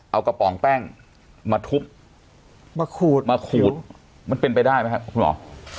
เอากระป๋องแป้งมาทุบมาขูดมาขูดมันเป็นไปได้ไหมครับคุณหมอ